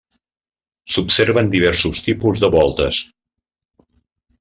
S'observen diversos tipus de voltes.